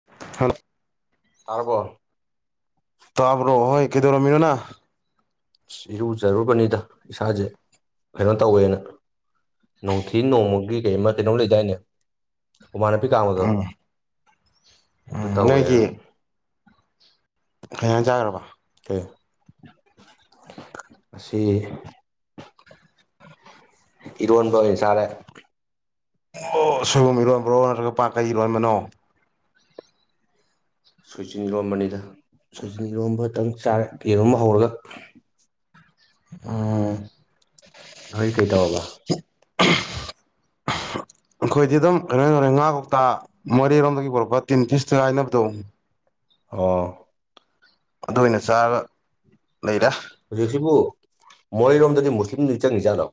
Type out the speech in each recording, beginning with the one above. [unintelligible] ꯇꯥꯔꯕꯣ? ꯇꯥꯕ꯭ꯔꯣ ꯍꯣꯏ ꯀꯩꯗꯧꯔꯝꯃꯤꯅꯣ ꯅꯪ? ꯑꯁ ꯏꯔꯨꯖꯔꯨꯕꯅꯤꯗ ꯏꯁꯥꯖꯦ ꯀꯩꯅꯣ ꯇꯧꯋꯦꯅ ꯅꯣꯡꯊꯤ ꯅꯣꯡꯃꯒꯤ ꯀꯩꯃ ꯀꯩꯅꯣꯝ ꯂꯩꯗꯥꯏꯅꯦ ꯍꯨꯃꯥꯡ ꯅꯞꯄꯤ ꯀꯥꯡꯕꯗꯣ ꯎꯝ ꯑꯗꯨ ꯎꯝ ꯇꯧꯋꯦꯅ꯫ ꯅꯣꯏꯒꯤ ꯀꯩ ꯍꯤꯡꯖꯥꯡ ꯆꯥꯒ꯭ꯔꯕ? ꯀꯩ ꯉꯁꯤ ꯏꯔꯣꯟꯕ ꯑꯣꯏꯅ ꯆꯥꯔꯦ꯫ ꯑꯣ ꯁꯣꯏꯕꯨꯝ ꯏꯔꯣꯟꯕ꯭ꯔꯣ ꯅꯠꯇ꯭ꯔꯒ ꯄꯥꯛ ꯀꯩ ꯏꯔꯣꯟꯕꯅꯣ? ꯁꯣꯏꯖꯤꯟ ꯏꯔꯣꯝꯕꯅꯤꯗ ꯁꯣꯏꯖꯤꯟ ꯏꯔꯣꯝꯕꯇꯪ ꯆꯥꯔꯦ ꯌꯦꯔꯨꯝ ꯍꯧꯔꯒ꯫ ꯎꯝ ꯅꯣꯏ ꯀꯩꯗꯧꯔꯕ? [unintelligible] ꯑꯈꯣꯏꯗꯤ ꯑꯗꯨꯝ ꯀꯩꯅꯣ ꯇꯧꯔꯦ ꯉꯥ ꯀꯧꯇꯥ ꯃꯣꯔꯦꯔꯣꯝꯗꯒꯤ ꯄꯨꯔꯛꯄ ꯇꯤꯟ ꯐꯤꯁꯇꯍꯥꯏꯅꯕꯗꯣ ꯑꯣ ꯑꯗꯨ ꯑꯣꯏꯅ ꯆꯥꯔꯒ ꯂꯩꯔꯦ꯫ ꯍꯧꯖꯤꯛꯁꯤꯕꯨ ꯃꯣꯔꯦꯔꯣꯝꯗꯗꯤ ꯃꯨꯁꯂꯤꯝꯗꯤ ꯆꯪꯉꯤꯖꯥꯠꯂꯣ?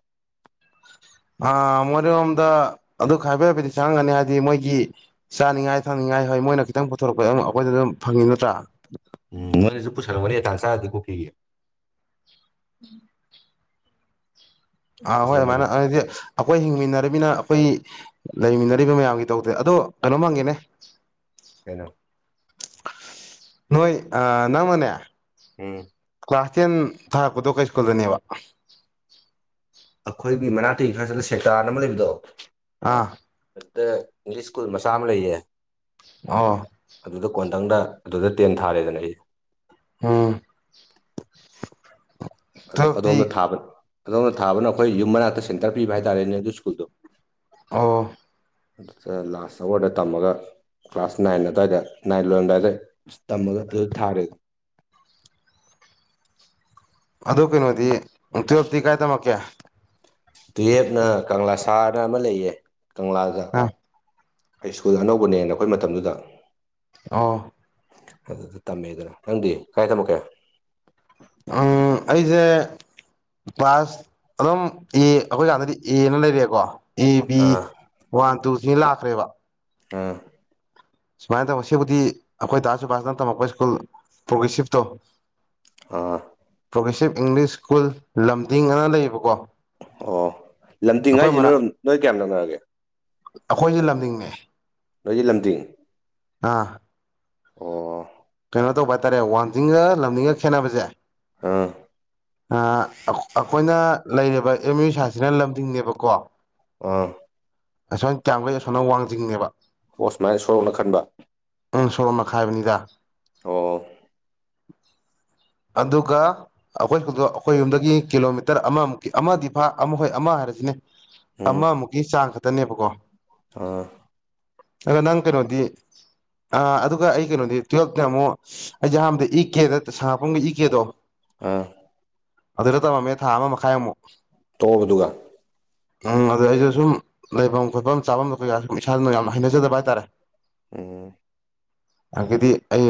ꯑ ꯃꯣꯔꯦꯔꯣꯝꯗ ꯑꯗꯨ ꯈꯥꯏꯕ ꯍꯥꯏꯐꯦꯠꯇꯤ ꯆꯪꯉꯝꯒꯅꯤ ꯍꯥꯏꯗꯤ ꯃꯣꯏꯒꯤ ꯆꯥꯅꯤꯡꯉꯥꯏ ꯊꯛꯅꯤꯡꯉꯥꯏ ꯍꯣꯏ ꯃꯣꯏꯅ ꯈꯤꯇꯪ ꯄꯨꯊꯣꯔꯛꯄꯗꯨ ꯑꯩꯈꯣꯏꯗ ꯑꯗꯨꯝ ꯐꯪꯏ ꯅꯠꯇ꯭ꯔꯥ꯫ ꯎꯝ ꯃꯣꯏꯅꯁꯨ ꯄꯨꯁꯜꯂꯝꯒꯅꯤ ꯇꯥꯟ ꯆꯥꯔꯗꯤ ꯀꯨꯀꯤꯒꯤ [unintelligible] ꯑꯥ ꯄꯨꯁꯜꯂꯝꯃꯣꯏꯗ꯭ꯔꯣ [unintelligible] ꯑꯩꯈꯣꯏ ꯍꯤꯡꯃꯤꯟꯅꯔꯤꯝꯅ ꯑꯈꯣꯏ ꯂꯩꯃꯤꯟꯅꯔꯤꯕ ꯃꯌꯥꯝꯒꯤ ꯇꯧꯗꯦ ꯑꯗꯣ ꯀꯩꯅꯣ ꯍꯪꯒꯦꯅꯦ꯫ ꯀꯩꯅꯣ? ꯅꯣꯏ ꯅꯪꯅꯅꯦ ꯎꯝ ꯀ꯭ꯂꯥꯁ ꯇꯦꯟ ꯊꯥꯔꯛꯄꯗꯣ ꯀꯩ ꯁ꯭ꯀꯨꯜꯗꯅꯦꯕ? ꯑꯩꯈꯣꯏꯒꯤ ꯃꯅꯥꯛꯇꯩ ꯈꯔ ꯆꯠꯂ ꯁꯦꯛꯇꯥꯅ ꯑꯃ ꯂꯩꯕꯗꯣ ꯑꯥ ꯑꯗꯨꯗ ꯏꯪꯂꯤꯁ ꯁ꯭ꯀꯨꯜ ꯃꯆꯥ ꯑꯃ ꯂꯩꯌꯦ꯫ ꯑ ꯑꯗꯨꯗ ꯀꯣꯟꯇꯪꯗ ꯑꯗꯨꯗ ꯇꯦꯟ ꯊꯥꯔꯦꯗꯅ ꯑꯩ ꯎꯝ ꯇꯨꯌꯦꯜꯞꯇꯤ ꯑꯗꯣꯝꯗ ꯊꯥꯕ ꯑꯗꯣꯝꯗ ꯊꯥꯕꯅ ꯑꯩꯈꯣꯏ ꯌꯨꯝ ꯃꯅꯥꯛꯇ ꯁꯦꯟꯇꯔ ꯄꯤꯕ ꯍꯥꯏꯇꯥꯥꯔꯦꯅꯦ ꯑꯗꯨ ꯁ꯭ꯀꯨꯜꯗꯣ ꯑꯣ ꯑꯗꯨꯗ ꯂꯥꯁ ꯑꯋꯥꯔꯗ ꯇꯝꯃꯒ ꯀ꯭ꯂꯥꯁ ꯅꯥꯏꯟ ꯑꯗꯥꯏꯗ ꯅꯥꯏꯟ ꯂꯣꯟꯔꯝꯗꯥꯢ ꯑꯗꯥꯏ ꯇꯝꯃꯒ ꯑꯗꯨ ꯊꯥꯔꯦ ꯑꯗꯨ ꯀꯩꯅꯣꯗꯤ ꯇꯨꯌꯦꯞꯇꯤ ꯀꯥꯏꯗ ꯇꯝꯃꯛꯀꯦ ꯇꯨꯌꯦꯞꯅ ꯀꯪꯂꯥ ꯁꯥꯅ ꯑꯃ ꯂꯩꯌꯦ ꯀꯪꯂꯥꯒ ꯑ ꯁ꯭ꯀꯨꯜ ꯑꯅꯧꯕꯅꯦꯅ ꯑꯩꯈꯣꯏ ꯃꯇꯝꯗꯨꯗ ꯑꯣ꯫ ꯑꯗꯨꯗ ꯇꯝꯃꯦꯗꯅ ꯅꯪꯗꯤ ꯀꯥꯏ ꯊꯝꯃꯛꯀꯦ ꯑꯩꯁꯦ ꯀ꯭ꯂꯥꯁ ꯑꯗꯨꯝ ꯑꯦ ꯑꯩꯈꯣꯏꯀꯥꯟꯗꯗꯤ ꯑꯦ ꯑꯅ ꯂꯩꯔꯦꯀꯣ꯫ ꯑꯦ ꯕꯤ ꯑꯥ ꯋꯥꯟ ꯇꯨ ꯊꯤꯅ ꯂꯥꯛꯈ꯭ꯔꯦꯕ꯫ ꯎꯝ ꯁꯨꯃꯥꯏꯅ ꯇꯧꯕ ꯁꯤꯕꯨꯗꯤ ꯑꯩꯈꯣꯏ ꯇꯥꯁꯨꯕꯥꯁ ꯅꯇꯃꯛꯄ ꯁ꯭ꯀꯨꯜ ꯄ꯭ꯔꯣꯒ꯭ꯔꯦꯁꯤꯞ ꯇꯣ꯫ ꯑꯥ꯫ ꯄ꯭ꯔꯣꯒ꯭ꯔꯦꯁꯤꯞ ꯏꯪꯂꯤꯁ ꯁ꯭ꯀꯨꯜ ꯂꯝꯗꯤꯤꯡ ꯑꯅ ꯂꯩꯕ ꯑꯣ ꯂꯝꯇꯤꯡ ꯑꯩꯈꯣꯏ ꯍꯥꯏꯁꯤ ꯃꯅꯥꯛ ꯅꯣꯏꯔꯣꯝ ꯅꯣꯏ ꯀꯌꯥꯝ ꯅꯛꯅꯔꯒꯦ꯫ ꯑꯩꯈꯣꯏꯁꯦ ꯂꯝꯗꯤꯡꯅꯦ꯫ ꯅꯣꯏꯗꯤ ꯂꯝꯗꯤꯡ ꯑꯥ ꯑꯣ꯫ ꯀꯩꯅꯣ ꯇꯧꯕ ꯍꯥꯏꯇꯥꯔꯦ ꯋꯥꯡꯖꯤꯡꯒ ꯂꯝꯅꯤꯡꯒ ꯈꯦꯠꯅꯕꯁꯦ ꯑꯥ ꯑꯩꯈꯣꯏꯅ ꯂꯩꯔꯤꯕ ꯑꯦꯝ ꯌꯨ ꯁꯥꯁꯤꯅ ꯂꯝꯗꯤꯡꯅꯦꯕꯀꯣ ꯑꯥ ꯑꯁꯣ ꯀꯌꯥꯝꯒꯩ ꯑꯁꯣꯅ ꯋꯥꯡꯖꯤꯡꯅꯦꯕ ꯑꯣꯁ ꯄꯂꯥꯏ ꯁꯣꯅ ꯈꯟꯕ ꯎꯝ ꯁꯣꯔꯣ ꯃꯈꯥꯏ ꯍꯥꯏꯕꯅꯤꯒ ꯑꯣ ꯑꯗꯨꯒꯥ꯫ ꯑꯩꯈꯣꯏ ꯁꯀ꯭ꯨꯜꯗꯣ ꯑꯩꯈꯣꯏ ꯌꯨꯝꯗꯒꯤ ꯀꯤꯂꯣꯃꯤꯇꯔ ꯑꯃꯃꯨꯛꯀꯤ ꯑꯃꯗꯤ ꯐꯥ ꯑꯃꯍꯣꯏ ꯑꯃ ꯍꯥꯏꯔꯁꯤꯅꯦ꯫ ꯎꯝ ꯑꯃꯃꯨꯛꯀꯤ ꯆꯥꯡ ꯈꯛꯇꯅꯦꯕꯀꯣ ꯑꯥ ꯑꯗꯣ ꯅꯪ ꯀꯩꯅꯣꯗꯤ꯫ ꯑ ꯑꯗꯨꯒ ꯑꯩ ꯀꯩꯅꯣꯗꯤ ꯇꯨꯋꯜꯞꯇꯤ ꯑꯃꯨꯛ ꯑꯩꯁꯦ ꯑꯍꯥꯟꯕꯗ ꯏ ꯀꯦꯗ ꯁꯥ [unintelligible] ꯏꯀꯦꯗꯣ꯫ ꯑꯥ꯫ ꯑꯗꯨꯗ ꯇꯧꯔꯝꯃꯦ ꯊꯥ ꯑꯃ ꯃꯈꯥꯏꯃꯨꯛ ꯇꯣꯛꯑꯕꯗꯨꯒ ꯎꯝ ꯑꯗꯨꯗ ꯑꯩꯁꯨ ꯁꯨꯝ ꯂꯩꯐꯝ ꯈꯣꯠꯐꯝ ꯆꯥꯐꯝꯗ ꯀꯩ ꯏꯁꯥꯅ ꯌꯥꯝꯅ ꯍꯩꯅꯖꯗꯕ ꯍꯥꯏꯇꯥꯔꯦ ꯑ ꯑꯗꯒꯤꯗꯤ ꯑꯩ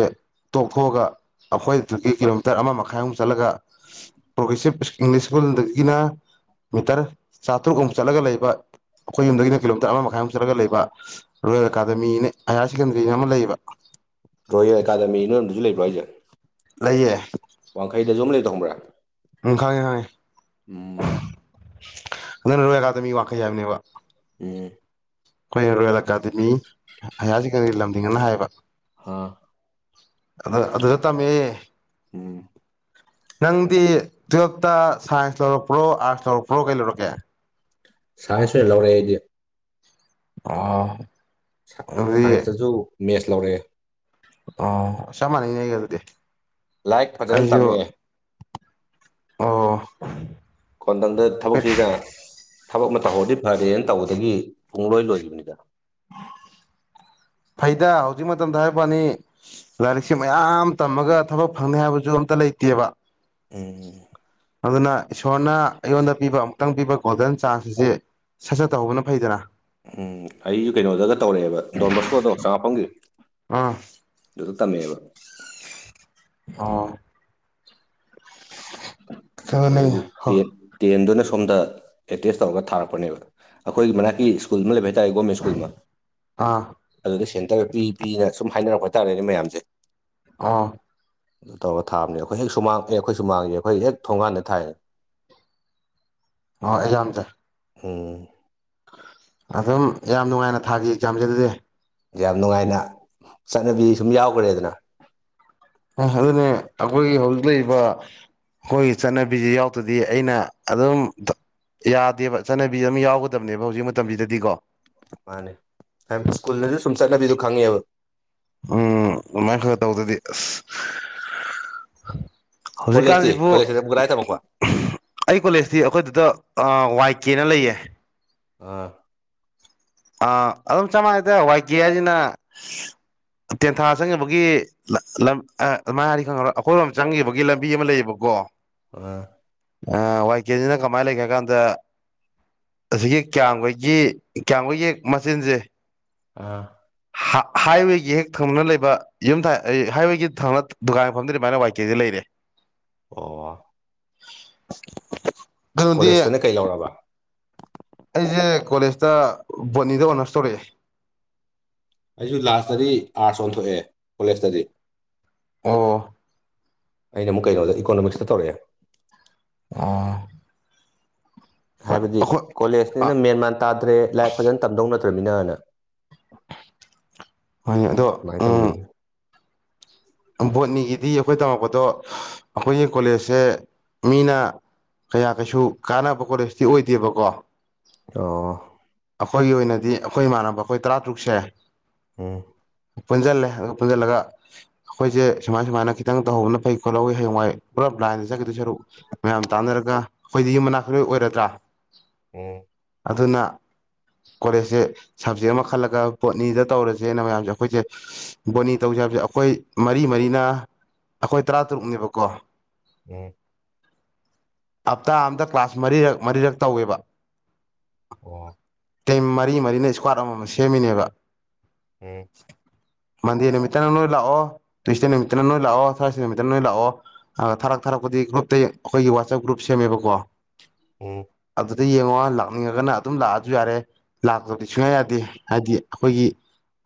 ꯇꯣꯛꯊꯣꯛꯑꯒ ꯑꯩꯈꯣꯏ__ ꯑꯗꯨꯒꯤ ꯀꯤꯂꯣꯃꯤꯇꯔ ꯑꯃ ꯃꯈꯥꯏꯃꯨꯛ ꯆꯠꯂꯒ ꯄ꯭ꯔꯣꯒꯦꯁꯤꯞ ꯏꯪꯂꯤꯁ ꯁ꯭ꯀꯨꯜꯗꯒꯤꯅ ꯃꯤꯇꯔ ꯆꯥꯇ꯭ꯔꯨꯛꯃꯨꯛ ꯆꯠꯂꯒ ꯂꯩꯕ ꯑꯩꯈꯣꯏ ꯌꯨꯝꯗꯒꯤꯅ ꯀꯤꯂꯣꯃꯤꯇꯔ ꯑꯃ ꯃꯈꯥꯏꯃꯨꯛ ꯆꯠꯂꯒ ꯂꯩꯕ ꯔꯣꯌꯦꯜ ꯑꯦꯀꯥꯗꯃꯤꯅꯦ ꯍꯥꯏꯌꯔ ꯁꯦꯀꯦꯟꯗꯔꯤꯅ ꯑꯃ ꯂꯩꯌꯦꯕ꯫ ꯔꯣꯌꯦꯜ ꯑꯦꯀꯥꯗꯃꯤ ꯅꯣꯢꯔꯣꯝꯗꯁꯨ ꯂꯩꯕ꯭ꯔꯣ ꯍꯥꯢꯖꯦ꯫ ꯂꯩꯌꯦ ꯋꯥꯡꯈꯩꯗꯁꯨ ꯑꯃ ꯂꯩꯕꯗꯨ ꯈꯡꯕ꯭ꯔꯥ ꯈ ꯍ ꯎꯝ ꯅꯪ ꯔꯣꯌꯦꯜ ꯑꯦꯀꯥꯗꯃꯤꯒꯤ ꯋꯥꯈꯩ ꯍꯥꯏꯕꯅꯦꯕ ꯍ ꯑꯩꯈꯣꯏ ꯔꯣꯌꯦꯜ ꯑꯦꯀꯥꯗꯃꯤ ꯍꯌꯥꯁꯤ ꯀꯔꯤ ꯂꯝꯗꯤꯡꯅꯦ ꯍꯥꯏꯌꯦꯕ ꯍꯥ ꯑꯗꯨ ꯑꯗꯨꯁꯨ ꯇꯝꯃꯦ ꯎꯝ ꯅꯪꯗꯤ ꯇꯨꯌꯦꯜꯞꯇ ꯁꯥꯏꯟꯁ ꯂꯧꯔꯛꯄ꯭ꯔꯣ ꯑꯥꯔꯠꯁ ꯂꯧꯔꯛꯄ꯭ꯔꯣ ꯀꯩ ꯂꯧꯔꯛꯀꯦ ꯁꯥꯏꯖ ꯑꯣꯢ ꯂꯧꯔꯛꯑꯦ ꯑꯩꯗꯤ ꯑꯣ ꯑꯗꯨꯗꯤ ꯁꯥꯏꯟꯁꯇꯁꯨ ꯃꯦꯠꯁ ꯂꯧꯔꯛꯑꯦ ꯑꯣ ꯆꯞ ꯃꯥꯟꯅꯩꯅꯦ ꯑꯗꯨꯗꯤ ꯂꯥꯏꯔꯤꯛ ꯐꯖꯅ ꯑꯩꯁꯨ ꯇꯝꯃꯛꯑꯦ ꯑꯣ ꯈꯣꯟꯊꯪꯗ ꯊꯕꯛꯁꯤꯅ ꯊꯕꯛ ꯑꯃ ꯇꯧꯍꯧꯔꯗꯤ ꯐꯔꯦꯅ ꯇꯧꯕꯗꯒꯤ ꯄꯨꯡꯂꯣꯏ ꯂꯣꯏꯈꯤꯕꯅꯤꯗ ꯐꯩꯗ ꯍꯧꯖꯤꯛ ꯃꯇꯝꯗ ꯍꯥꯏꯕꯩꯋ꯭ꯅꯤ ꯂꯥꯏꯔꯤꯛꯁ ꯃꯌꯥꯝ ꯇꯝꯃꯒ ꯊꯕꯛ ꯐꯪꯅꯤ ꯍꯥꯏꯕꯁꯨ ꯑꯝꯇ ꯂꯩꯇꯦꯕ ꯎꯝ ꯑꯗꯨꯅ ꯏꯁꯣꯔꯅ ꯑꯩꯉꯣꯟꯗ ꯄꯤꯕ ꯑꯃꯨꯛꯇꯪ ꯄꯤꯕ ꯒꯣꯜꯗꯟ ꯆꯥꯟꯁ ꯑꯁꯤ ꯁꯠ ꯁꯠ ꯇꯧꯍꯧꯕꯅ ꯐꯩꯗꯅ ꯎꯝ ꯑꯩꯁꯨ ꯀꯩꯅꯣꯗꯒ ꯇꯧꯔꯛꯑꯦꯕ ꯗꯣꯟ ꯕꯁꯀꯣꯗꯣ ꯆꯃꯥꯄꯟꯒꯤ ꯑꯥ ꯗꯨꯇꯗ ꯊꯝꯃꯦꯕ ꯑꯣ [unintelligible] ꯑꯗꯨꯅꯤ ꯑꯗꯨꯒꯤ ꯍꯣ ꯇꯦꯟ ꯇꯦꯟꯗꯨꯅ ꯁꯣꯝꯗ ꯑꯦꯇꯦꯁ ꯇꯧꯔꯒ ꯊꯥꯔꯛꯄꯅꯦꯕ ꯑꯈꯣꯏꯒꯤ ꯃꯅꯥꯥꯛꯀꯤ ꯁꯀ꯭ꯨꯜ ꯑꯃ ꯂꯩꯕ ꯍꯥꯏꯇꯥꯔꯦ ꯒꯣꯔꯃꯦꯟ ꯁ꯭ꯀꯨꯜ ꯑꯃ ꯑꯥ ꯑꯗꯨꯗ ꯁꯦꯟꯇꯔꯒ ꯄꯤ ꯄꯤꯅ ꯁꯨꯝ ꯍꯥꯏꯅꯔꯛꯄꯇꯥꯥꯔꯦꯅꯦ ꯃꯌꯥꯝꯁꯦ ꯑꯥ ꯑꯗꯨ ꯇꯧꯔ ꯊꯥꯕꯅꯦ ꯑꯩꯈꯣꯏ ꯍꯦꯛ ꯁꯨꯃꯥꯡ ꯑꯦ ꯑꯩꯈꯣꯏ ꯁꯨꯃꯥꯡꯉꯦ ꯑꯩꯈꯣꯏ ꯍꯦꯛ ꯊꯣꯡꯉꯥꯟꯅ ꯊꯥꯏ ꯑꯣ ꯑꯩꯖꯝꯁꯦ ꯎꯝ ꯑꯗꯨꯝ ꯌꯥꯝ ꯅꯨꯡꯉꯥꯏꯅ ꯊꯥꯈꯤ ꯑꯦꯛꯖꯥꯝꯁꯦ ꯑꯗꯨꯗꯤ ꯌꯥꯝ ꯅꯨꯡꯉꯥꯏꯅ ꯆꯠꯅꯕꯤ ꯁꯨꯝ ꯌꯥꯎꯈ꯭ꯔꯦꯗꯅ ꯑ ꯑꯗꯨꯅꯦ ꯑꯈꯣꯏꯒꯤ ꯍꯧꯖꯤꯛ ꯂꯩꯔꯤꯕ ꯈꯣꯏꯒꯤ ꯆꯠꯅꯕꯤꯖꯤ ꯌꯥꯎꯗ꯭ꯔꯗꯤ ꯑꯩꯅ ꯑꯗꯨꯝ ꯌꯥꯗꯦꯕ ꯆꯠꯅꯕꯤ ꯑꯃ ꯌꯥꯎꯒꯗꯕꯅꯦꯕ ꯍꯧꯖꯤꯛ ꯃꯇꯝꯁꯤꯗꯗꯤꯀꯣ ꯃꯥꯅꯦ ꯁ꯭ꯀꯨꯜꯅꯗꯤ ꯁꯨꯝ ꯆꯠꯅꯕꯤꯗ ꯈꯪꯉꯦꯕ ꯎꯝ ꯑꯗꯨꯃꯥꯏꯅ ꯈꯔ ꯇꯧꯗꯗꯤ ꯑꯁ [unintelligible] ꯀꯣꯂꯦꯖꯇꯤ ꯍꯧꯖꯤꯛꯀꯥꯟꯁꯤꯕꯨ ꯀꯣꯂꯦꯖꯇ ꯀꯗꯥꯏ ꯇꯝꯃꯛꯄ ꯑꯩ ꯀꯣꯂꯦꯖꯇꯤ ꯑꯩꯈꯣꯏꯗꯨꯗ ꯋꯥꯏ ꯀꯦꯅ ꯂꯩꯌꯦ ꯑꯥ ꯑꯥ ꯑꯗꯨꯝ ꯆꯞ ꯃꯥꯟꯅꯩꯗꯦ ꯋꯥꯏ ꯀꯦ ꯍꯥꯏꯁꯤꯅ ꯇꯦꯟꯊꯥ ꯆꯪꯉꯤꯕꯒꯤ ꯂꯝ ꯂꯝ ꯑꯃꯥꯏ ꯍꯥꯢꯔꯗꯤ ꯈꯪꯉꯔꯣꯢꯔ ꯑꯩꯈꯣꯏꯔꯣꯝ ꯆꯪꯈꯤꯕꯒꯤ ꯂꯝꯕꯤ ꯑꯃ ꯂꯩꯌꯦꯕꯀꯣ ꯑꯗꯨꯒ ꯋꯥꯏ ꯀꯦꯖꯤꯅ ꯀꯃꯥꯏꯅ ꯂꯩꯒꯦ ꯍꯥꯢ ꯀꯥꯟꯗ ꯑꯁꯤꯒꯤ ꯀꯌꯥꯝꯒꯩꯒꯤ ꯀꯌꯥꯝꯒꯩꯒꯤ ꯍꯦꯛ ꯃꯆꯤꯟꯁꯦ ꯑ ꯍꯥꯏꯋꯦꯒꯤ ꯍꯦꯛ ꯊꯪꯅꯅ ꯂꯩꯕ ꯌꯨꯝꯊ ꯍꯥꯏꯋꯦꯒꯤ ꯊꯪꯅ ꯗꯨꯀꯥꯟ ꯐꯝꯗ ꯑꯗꯨꯃꯥꯏꯅ ꯋꯥꯏ ꯀꯦ ꯗ ꯂꯩꯔꯦ꯫ [unintelligible] ꯑꯣ꯫ ꯀꯩꯅꯣꯗꯤ ꯀꯣꯂꯦꯖꯇꯅ ꯀꯩ ꯂꯧꯔꯕ ꯑꯩꯖꯦ ꯀꯣꯂꯦꯖꯇ ꯕꯣꯠꯅꯤꯗ ꯑꯣꯅꯔꯁ ꯇꯧꯔꯛꯑꯦ꯫ ꯑꯩꯁꯨ ꯂꯥꯁꯇꯗꯤ ꯑꯥꯔꯠꯁ ꯑꯣꯟꯊꯣꯛꯑꯦ ꯀꯣꯂꯦꯖꯇꯗꯤ ꯑꯣ ꯑꯩꯅ ꯑꯃꯨꯛꯩꯅꯣ ꯏꯀꯣꯃꯤꯛꯁꯇꯧꯔꯑꯦ ꯑꯥ ꯍꯥꯏꯕꯗꯤ ꯑꯩꯈꯣꯏ ꯑꯥ ꯀꯣꯂꯦꯖꯅꯤꯅ ꯃꯦꯟ ꯃꯥꯟ ꯇꯥꯗ꯭ꯔꯦ ꯂꯥꯏꯔꯤꯛ ꯐꯖꯅ ꯇꯝꯗꯧꯅꯗ꯭ꯔꯃꯤꯅꯅ ꯍꯣꯏꯅꯦ ꯑꯗꯣ ꯁꯨꯃꯥꯏꯅ ꯇꯧꯈꯤꯕꯅꯤ ꯕꯣꯠꯅꯤꯒꯤꯗꯤ ꯑꯩꯈꯣꯏ ꯇꯝꯃꯛꯄꯗꯣ ꯑꯩꯈꯣꯏꯒꯤ ꯀꯣꯂꯦꯖꯁꯦ ꯃꯤꯅ ꯀꯌꯥ ꯀꯩꯁꯨ ꯀꯥꯟꯅꯕ ꯀꯣꯂꯦꯖꯇꯤ ꯑꯣꯏꯗꯦꯕꯀꯣ꯫ ꯑꯣ ꯑꯈꯣꯏꯒꯤ ꯑꯣꯏꯅꯗꯤ ꯑꯩꯈꯣꯏ ꯏꯃꯥꯟꯅꯕ ꯑꯩꯈꯣꯏ ꯇꯔꯥꯇꯔꯨꯛꯁꯦ꯫ ꯎꯡ꯫ ꯄꯨꯟꯖꯜꯂꯦ ꯑ ꯄꯨꯟꯖꯜꯂꯒ꯫ ꯑꯩꯈꯣꯏꯁꯦ ꯁꯨꯃꯥꯏ ꯁꯨꯃꯥꯏꯅ ꯈꯤꯇꯪ ꯇꯧꯍꯧꯕꯅ ꯐꯩ ꯈꯣꯠꯍꯧꯋꯤꯌꯦꯡꯋꯥꯏ ꯄꯨꯂꯞ ꯂꯥꯏꯟꯗ ꯆꯠꯈꯤꯗꯣꯏ ꯁꯔꯨꯛ ꯃꯌꯥꯝ ꯇꯥꯟꯅꯔꯒ ꯑꯩꯈꯣꯏꯗꯤ ꯌ ꯃꯅꯥꯛꯛꯇ ꯂꯣꯏ ꯑꯣꯏꯔꯗ꯭ꯔꯥ ꯍ ꯑꯗꯨꯅ꯫ ꯀꯣꯂꯦꯖꯁꯦ ꯁꯕꯖꯦꯛ ꯑꯃ ꯈꯜꯂꯒ ꯄꯣꯠꯅꯤꯗ ꯇꯧꯔꯁꯦꯅ ꯃꯌꯥꯝꯁꯦ ꯑꯩꯈꯣꯏꯁꯦ ꯕꯣꯅꯤ ꯇꯧꯁꯦ ꯍꯥꯏꯕꯁꯦ ꯑꯩꯈꯣꯏ ꯃꯔꯤ ꯃꯔꯤꯅ ꯑꯩꯈꯣꯏ ꯇꯔꯥꯇꯔꯨꯛꯅꯦꯕꯀꯣ ꯎꯝ ꯍꯞꯇꯥ ꯑꯝꯗ ꯀ꯭ꯂꯥꯁ ꯃꯔꯤꯔꯛ ꯃꯔꯤꯔꯛ ꯇꯧꯋꯦꯕ꯫ ꯑꯣ꯫ ꯇꯤꯝ ꯃꯔꯤ ꯃꯔꯤꯅ ꯏꯁꯀ꯭ꯋꯥꯠ ꯑꯃ ꯑꯃ ꯁꯦꯝꯃꯤꯅꯦꯕ ꯑꯦ ꯃꯟꯗꯦ ꯅꯨꯃꯤꯠꯠꯇꯅ ꯅꯣꯏ ꯂꯥꯛꯑꯣ ꯇ꯭ꯨꯋꯁꯗꯦ ꯅꯨꯃꯤꯠꯇꯅ ꯅꯣꯏ ꯂꯥꯛꯑꯣ ꯊꯥꯔꯁꯗꯦ ꯅꯨꯃꯤꯠꯇꯅ ꯅꯣꯏ ꯂꯥꯛꯑꯣ꯫ ꯊꯥꯔꯛ ꯊꯥꯔꯛꯄꯗꯤ ꯒ꯭ꯔꯨꯞꯇ ꯑꯩꯈꯣꯏꯒꯤ ꯋꯥꯆꯞ ꯒ꯭ꯔꯨꯞ ꯁꯦꯝꯃꯦꯕꯀꯣ ꯑꯗꯨ ꯎꯝ ꯑꯗꯨꯗ ꯌꯦꯡꯉꯣ ꯂꯥꯛꯅꯤꯡꯉꯒꯅ ꯑꯗꯨꯝ ꯂꯥꯛꯑꯁꯨ ꯌꯥꯔꯦ ꯂꯥꯛꯇꯕꯗꯤ ꯁꯨꯡꯌꯥ ꯌꯥꯗꯦ ꯍꯥꯏꯗꯤ ꯑꯩꯈꯣꯏꯒꯤ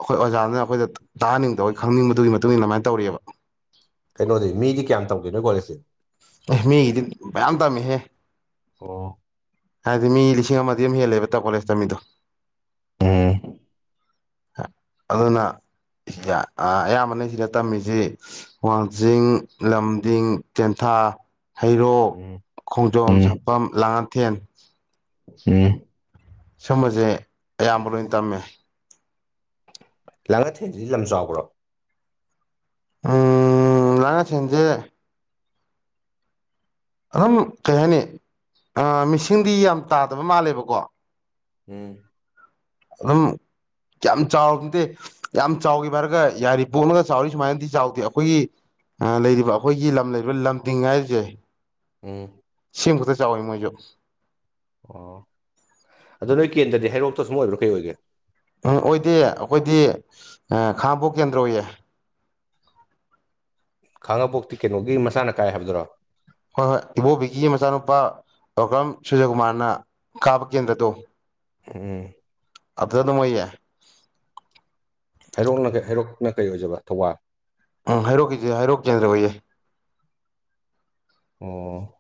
ꯑꯩꯈꯣꯏ ꯑꯣꯖꯥꯗꯨꯅ ꯑꯩꯈꯣꯏꯗ ꯇꯥꯍꯅꯤꯡꯗꯕ ꯈꯪꯅꯤꯡꯕꯗꯨꯒꯤ ꯃꯇꯨꯡ ꯏꯟꯅ ꯑꯗꯨꯃꯥꯏꯅ ꯇꯧꯔꯤꯑꯕ ꯀꯩꯅꯣꯗꯤ ꯃꯤꯗꯤ ꯀꯌꯥꯝ ꯇꯝꯒꯦ ꯅꯣꯢ ꯀꯣꯂꯦꯁꯇꯤ꯫ ꯑꯦ ꯃꯤꯒꯤꯗꯤ ꯃꯌꯥꯝ ꯇꯝꯃꯤꯍꯦ꯫ ꯑꯣ ꯍꯥꯏꯗꯤ ꯃꯤ ꯂꯤꯁꯤꯡ ꯑꯃꯗꯤ ꯑꯃꯝ ꯍꯦꯜꯂꯦꯕ ꯇ ꯀꯣꯂꯦꯖꯇꯃꯤꯗꯣ ꯎꯝ ꯑꯗꯨꯅ ꯁꯤꯗ ꯑꯌꯥꯝꯕꯅ ꯁꯤꯗ ꯇꯝꯃꯤꯁꯤ ꯋꯥꯡꯖꯤꯡ ꯂꯝꯗꯤꯡ ꯇꯦꯟꯊꯥ꯫ ꯍꯩꯔꯣꯛ ꯎꯝ ꯈꯣꯡꯖꯣꯝ ꯎꯝ ꯁꯥꯄꯝ ꯂꯥꯡꯉꯥꯊꯦꯟ꯫ ꯎꯝ꯫ ꯁꯨꯝꯕꯁꯦ ꯑꯌꯥꯝꯕ ꯂꯣꯏ ꯇꯝꯃꯦ ꯂꯥꯡꯒꯊꯦꯟꯁꯤꯗꯤ ꯂꯝ ꯆꯥꯎꯕ꯭ꯔꯣ ꯎꯝ ꯂꯉ ꯁꯦꯟꯁꯦ ꯑꯗꯨꯝ ꯀꯩ ꯍꯥꯏꯅꯤ ꯃꯤꯁꯤꯡꯗꯤ ꯌꯥꯝ ꯇꯥꯗꯕ ꯃꯥꯜꯂꯦꯕꯀꯣ꯫ ꯎꯝ꯫ ꯑꯗꯨꯝ ꯀꯌꯥꯝ ꯆꯥꯎꯕ ꯅꯠꯇꯦ ꯌꯥꯝ ꯆꯥꯎꯈꯤ ꯚꯔꯒ ꯌꯥꯔꯤ ꯄꯣꯛꯂꯒ ꯆꯥꯎꯔꯤ ꯁꯨꯃꯥꯏꯅꯗꯤ ꯆꯥꯎꯗꯦ ꯑꯩꯈꯣꯏꯒꯤ ꯂꯩꯔꯤꯕ ꯑꯩꯈꯣꯏꯒꯤ ꯂꯝ ꯂꯩꯔꯤꯕ ꯂꯝ ꯇꯤꯡ ꯍꯥꯏꯔꯤꯁꯦ ꯎꯝ ꯁꯦꯡꯕꯗ ꯆꯥꯎꯋꯤ ꯃꯣꯏꯁꯨ ꯑꯣ ꯑꯗꯣ ꯅꯣꯏ ꯀꯦꯟꯗ꯭ꯔꯗꯤ ꯍꯩꯔꯣꯛꯇ ꯁꯨꯝ ꯑꯣꯏꯕ꯭ꯔꯥ ꯀꯩ ꯑꯣꯏꯒꯦ ꯎꯝ ꯑꯣꯏꯗꯦ ꯑꯩꯈꯣꯏꯗꯤ ꯈꯥꯉꯕꯣꯛ ꯀꯦꯟꯗ꯭ꯔ ꯑꯣꯏꯌꯦ ꯈꯥꯡꯉꯕꯣꯛꯇꯤ ꯀꯩꯅꯣꯒꯤ ꯃꯆꯥꯅ ꯀꯥꯏ ꯍꯥꯏꯕꯗꯨꯔꯣ ꯍꯣꯏ ꯍꯣꯏ ꯏꯕꯣꯕꯤꯒꯤ ꯃꯆꯥꯅꯨꯄꯥ ꯑꯣꯀ꯭ꯔꯝ ꯁꯨꯔꯖꯀꯨꯃꯥꯔꯅ ꯀꯥꯕ ꯀꯦꯟꯗ꯭ꯔꯗꯣ ꯎꯝ ꯑꯗ ꯑꯗꯨꯝ ꯑꯣꯏꯌꯦ ꯍꯩꯔꯣꯛꯅ ꯍꯩꯔꯣꯛꯅ ꯀꯩ ꯑꯣꯏꯖꯕ ꯊꯧꯕꯥꯜ ꯑꯥ ꯍꯥꯏꯔꯣꯛꯀꯤꯗꯤ ꯍꯩꯔꯣꯛ ꯀꯦꯟꯗ꯭ꯔ ꯑꯣꯏꯌꯦ ꯑꯣ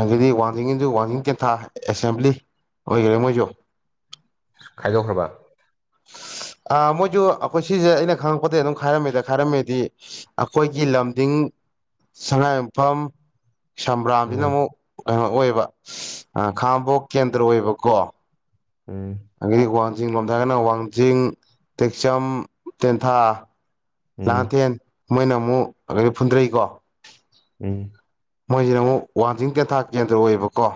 ꯑꯗꯨꯗꯤ ꯋꯥꯡꯖꯤꯡꯒꯤꯖꯨ ꯋꯥꯡꯖꯤꯡ ꯇꯦꯟꯊꯥ ꯑꯦꯁꯦꯝꯕ꯭ꯂꯤ ꯑꯣꯏꯈꯔꯦ ꯃꯣꯏꯁꯨ ꯈꯥꯏꯗꯣꯛꯈ꯭ꯔꯕ꯫ ꯑ ꯃꯣꯏꯁꯨ ꯑꯩꯈꯣꯏ ꯁꯤꯁꯦ ꯑꯩꯅ ꯈꯪꯉꯛꯄꯗꯩ ꯑꯗꯨꯝ ꯈꯥꯏꯔꯝꯃꯦꯗ ꯈꯥꯏꯔꯝꯃꯦꯗꯤ꯫ ꯑꯩꯈꯣꯏꯒꯤ ꯂꯝꯗꯤꯡ ꯁꯉꯥꯏꯌꯨꯝꯐꯝ ꯁꯝꯕ꯭ꯔꯥꯝꯁꯤꯅ ꯎꯝ ꯑꯃꯨꯛ ꯀꯩꯅꯣ ꯑꯣꯏꯕ ꯈꯥꯡꯉꯕꯣꯛ ꯀꯦꯟꯗ꯭ꯔ ꯑꯣꯏꯕꯀꯣ꯫ ꯎꯝ ꯑꯗꯒꯤ ꯋꯥꯡꯖꯤꯡ ꯂꯣꯝꯗ ꯍꯥꯏꯔꯒꯅ ꯋꯥꯡꯖꯤꯡ ꯇꯦꯛꯆꯝ ꯇꯦꯟꯊꯥ ꯎꯝ ꯂꯥꯡꯉꯥꯊꯦꯟ ꯃꯣꯏꯅ ꯑꯃꯨꯛ ꯑꯗꯩ ꯐꯨꯟꯗꯔꯩꯀꯣ ꯎꯝ꯫ ꯃꯣꯏꯁꯤꯅ ꯑꯃꯨꯛ ꯋꯥꯡꯖꯤꯡ ꯇꯦꯟꯊꯥ ꯀꯦꯟꯗ꯭ꯔ ꯑꯣꯏꯌꯦꯕꯀꯣ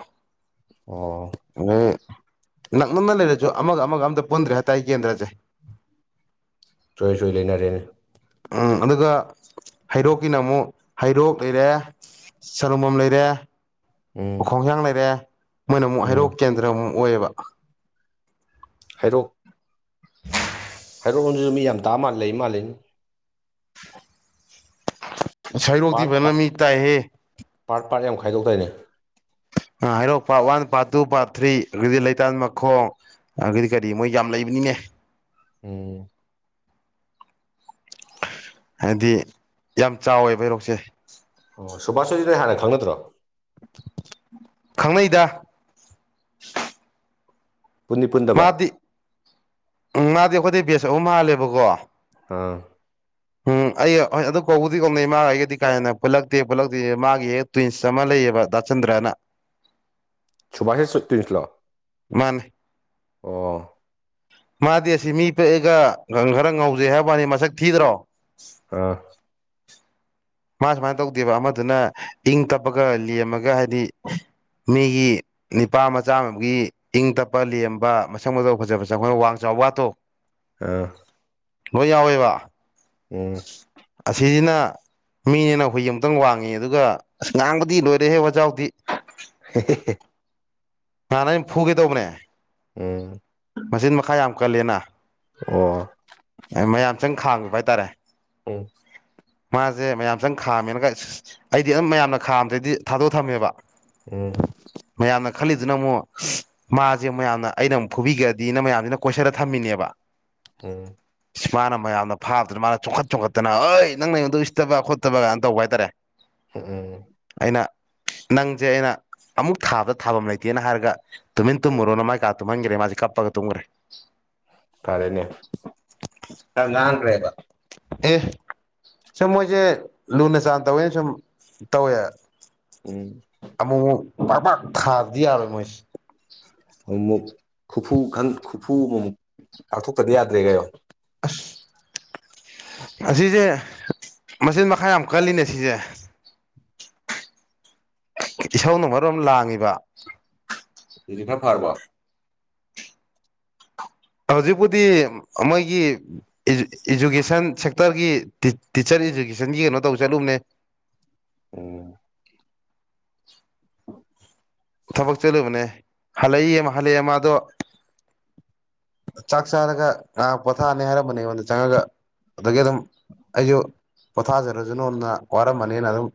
ꯑꯣ ꯍꯣꯏ ꯅꯛꯅꯅ ꯂꯩꯔꯁꯨ ꯑꯃꯒ ꯑꯃꯒ ꯑꯝꯇ ꯄꯨꯟꯗ꯭ꯔꯦ ꯍꯥꯏꯇꯥꯔꯦ ꯀꯦꯟꯗ꯭ꯔꯁꯦ ꯆꯣꯏ ꯆꯣꯏꯅ ꯂꯣꯏꯅꯔꯦꯅꯦ ꯎꯝ ꯑꯗꯨꯒ ꯍꯩꯔꯣꯛꯀꯤꯅ ꯑꯃꯨꯛ ꯍꯩꯔꯣꯛ ꯂꯩꯔꯦ ꯁꯂꯨꯡꯕꯝ ꯂꯩꯔꯦ ꯎꯝ ꯎꯈꯣꯡꯁꯥꯡ ꯂꯩꯔꯦ ꯃꯣꯏꯅ ꯑꯃꯨꯛ ꯎꯝ ꯍꯩꯔꯣꯛ ꯀꯦꯟꯗ꯭ꯔ ꯑꯃꯨꯛ ꯑꯣꯏꯌꯦꯕ ꯍꯩꯔꯣꯛ ꯍꯩꯔꯣꯛ ꯂꯣꯝꯗꯁꯨ ꯃꯤ ꯌꯥꯝ ꯇꯥꯕ ꯃꯥꯜ ꯂꯩ ꯃꯥꯜꯂꯦꯅꯦ ꯍꯩꯔꯣꯛꯇꯤ ꯄꯥꯔꯠ ꯐꯖꯅ ꯄꯥꯔꯠ ꯃꯤ ꯇꯥꯏꯍꯦ ꯄꯥꯔꯠ ꯄꯥꯔꯠ ꯌꯥꯝ ꯈꯥꯏꯗꯣꯛꯇꯥꯏꯅꯦ ꯑ ꯍꯩꯔꯣꯛ part one part two part three ꯑꯗꯒꯤꯗꯤ ꯂꯩꯇꯥꯟꯃꯈꯣꯡ ꯑꯗꯒꯤ ꯀꯔꯤ ꯃꯣꯏ ꯌꯥꯝ ꯂꯩꯕꯅꯤꯅꯦ ꯎꯝ ꯑ ꯍꯥꯏꯗꯤ ꯌꯥꯝ ꯆꯥꯎꯋꯦꯕ ꯍꯩꯔꯣꯛꯁꯦ ꯑꯣ ꯁꯨꯕꯥꯁꯍꯣꯏꯗꯤ ꯅꯣꯏ ꯍꯥꯟꯅ ꯈꯪꯅꯗꯔꯣ ꯈꯪꯅꯩꯗ ꯄꯨꯟꯗꯤ ꯄꯨꯟꯗꯕ ꯃꯥꯗꯤ ꯎꯝ ꯃꯥꯗꯤ ꯑꯩꯈꯣꯏꯗꯩꯩ ꯕꯦꯁ ꯑꯍꯨꯝ ꯍꯥꯜꯂꯦꯕꯀꯣ ꯑꯥ ꯎꯝ ꯑꯩ ꯍꯣꯏ ꯑꯗꯨ ꯀꯧꯕꯨꯗꯤ ꯀꯧꯅꯩ ꯃꯥꯒ ꯑꯩꯒꯗꯤ ꯀꯥ ꯍꯦꯟꯅ ꯄꯨꯜꯂꯛꯇꯦ ꯄꯨꯜꯂꯛꯇꯦꯗꯤ ꯃꯥꯒꯤ ꯍꯦꯛ ꯇꯨꯏꯟꯁ ꯑꯃ ꯂꯩꯌꯦꯕ ꯗꯥꯆꯟꯗ꯭ꯔꯅ ꯁꯨꯕꯥꯁ ꯍꯣꯏꯁꯦ ꯇꯨꯏꯟꯁꯂꯣ ꯃꯥꯅꯤ ꯑꯣ ꯃꯥꯗꯤ ꯑꯁꯤ ꯃꯤ ꯄꯤꯛꯑꯒ ꯈꯔ ꯉꯧꯖꯩ ꯍꯥꯏꯕ ꯋꯥꯅꯤ ꯃꯁꯛ ꯊꯤꯗ꯭ꯔꯣ ꯑꯥ ꯃꯥ ꯁꯨꯃꯥꯏꯅ ꯇꯧꯗꯦꯕ ꯑꯃꯗꯨꯅ ꯏꯪ ꯇꯞꯄꯒꯥ ꯂꯦꯝꯃꯒ ꯍꯥꯏꯗꯤ ꯃꯤꯒꯤ ꯅꯤꯄꯥ ꯃꯆꯥ ꯑꯃ ꯑꯣꯏꯕꯒꯤ ꯏꯪ ꯇꯞꯄ ꯂꯦꯝꯕ ꯃꯁꯛ ꯃꯇꯧ ꯐꯖ ꯐꯖ ꯑꯩꯈꯣꯏꯅ ꯋꯥꯡ ꯆꯥꯎ ꯀꯥꯠꯇꯣ ꯑꯥ ꯂꯣꯏ ꯌꯥꯎꯋꯣꯏꯕ ꯎꯝ ꯑꯁꯤꯁꯤꯅ ꯃꯤꯅꯦꯅꯥ ꯍꯨꯏ ꯃꯨꯛꯇꯪ ꯋꯥꯡꯉꯤ ꯑꯗꯨꯒ ꯑꯁ ꯉꯥꯡꯕꯗꯤ ꯂꯣꯏꯔꯦꯍꯦ ꯋꯥꯖꯥꯎꯗꯤ ꯍꯦ ꯍꯦ ꯅꯍꯥ ꯑꯩꯅ ꯐꯨꯒꯦ ꯇꯧꯕꯅꯦ ꯎꯝ ꯃꯆꯤꯟ ꯃꯈꯥ ꯌꯥꯝ ꯀꯜꯂꯦꯅ ꯑꯣ ꯃꯌꯥꯝ ꯆꯪ ꯈꯥꯡꯉꯤꯕ ꯍꯥꯏꯇꯥꯔꯦ ꯎꯝ ꯃꯥꯁꯦ ꯃꯌꯥꯝꯆꯥꯡ ꯈꯥꯝꯃꯦꯅꯒ ꯑ ꯑꯩꯗꯤ ꯑꯗꯨꯝ ꯃꯌꯥꯝꯅ ꯈꯥꯝꯗꯩꯗꯤ ꯊꯥꯗꯣꯛ ꯊꯝꯃꯦꯕ ꯎꯝ ꯃꯌꯥꯝꯅ ꯈꯜꯂꯤꯗꯨꯅ ꯑꯃꯨꯛ ꯁꯤ ꯃꯥꯁꯦ ꯃꯌꯥꯝꯅ ꯑꯩꯅ ꯑꯃꯨꯛ ꯐꯨꯕꯤꯈ꯭ꯔꯗꯤꯅ ꯃꯌꯥꯝꯁꯤꯅ ꯀꯣꯏꯁꯟꯂ ꯊꯝꯃꯤꯅꯦꯕ [unintelligible] ꯁ ꯃꯥꯅ ꯃꯌꯥꯝꯅ ꯐꯥꯕꯗꯨꯗꯥ ꯃꯥꯅ ꯆꯣꯡꯈꯠ ꯆꯣꯈꯠꯇꯅ ꯑꯩ ꯅꯪ ꯑꯩꯉꯣꯟꯗꯥ ꯎꯁꯤꯇꯥꯕ ꯈꯣꯠꯇꯕ ꯇꯧꯕ ꯍꯥꯏꯇꯥꯔꯦ ꯎꯝ ꯎꯝ ꯑꯩꯅ ꯅꯪꯁꯦ ꯑꯩꯅ ꯑꯃꯨꯛ ꯊꯥꯕꯗ ꯊꯥꯐꯝ ꯂꯩꯇꯦꯅ ꯍꯥꯏꯔꯒ ꯇꯨꯃꯤꯟ ꯇꯨꯝꯃꯨꯔꯣꯅ ꯃ ꯀꯥ ꯇꯨꯝꯍꯟꯈ꯭ꯔꯦ ꯃꯥꯁꯦ ꯀꯞꯄꯒ ꯇꯨꯝꯈ꯭ꯔꯦ ꯐꯔꯦꯅꯦ ꯌꯥꯝ ꯉꯥꯡꯈꯔꯦꯕꯥ ꯑ ꯁꯨꯝ ꯃꯣꯏꯁꯦ ꯂꯨꯅ ꯆꯥꯟꯅ ꯇꯧꯋꯦꯅ ꯁꯨꯝ ꯇꯧꯋꯦ ꯎꯝ ꯑꯃꯨ ꯃꯨꯛ ꯄꯥꯛ ꯄꯥꯛ ꯊꯗꯤ ꯌꯥꯔꯣꯏ ꯃꯣꯏꯁꯤ ꯑꯃꯨꯛ ꯈꯨꯐꯨ ꯈꯟ ꯈꯨꯐꯨ ꯑꯃꯃꯨꯛ ꯀꯥꯛꯊꯣꯛꯇꯗꯤ ꯌꯥꯗ꯭ꯔꯦ ꯀꯩꯅꯣ ꯑꯁ ꯑꯁꯤꯁꯦ ꯃꯆꯤꯟ ꯃꯈꯥ ꯌꯥꯝ ꯀꯜꯂꯤꯅꯦ ꯁꯤꯁꯦ ꯏꯁꯧꯅ ꯃꯔꯣꯝ ꯂꯥꯡꯉꯤꯕ ꯑꯗꯨꯗꯤ ꯈꯔ ꯐꯔꯕꯣ ꯍꯧꯖꯤꯛꯄꯨꯗꯤ ꯃꯣꯏꯒꯤ ꯏꯖꯨꯀꯦꯁꯟ ꯁꯦꯛꯇꯔꯒꯤ ꯇꯤꯆꯔ ꯏꯖꯨꯀꯦꯁꯟꯒꯤ ꯀꯩꯅꯣ ꯇꯧꯕ ꯆꯠꯂꯨꯕꯅꯦ ꯑꯣ ꯊꯕꯛ ꯆꯠꯂꯨꯕꯅꯦ ꯍꯜꯂꯛꯏꯌꯦ ꯍꯜꯂꯛꯑꯦ ꯃꯥꯗꯣ ꯆꯥꯛ ꯆꯥꯔꯒ ꯉꯍꯥꯛ ꯄꯣꯊꯥꯔꯅꯤ ꯍꯥꯏꯔꯝꯕꯅꯦꯕꯥꯥ ꯑꯗꯨꯗ ꯆꯪꯉꯒ ꯑꯗꯒꯤ ꯑꯗꯨꯝ ꯑꯩꯁꯨ ꯄꯣꯊꯥꯖꯔꯁꯨ ꯅꯣꯅ ꯋꯥꯔꯝꯃꯅꯤꯅ ꯑꯗꯨꯝ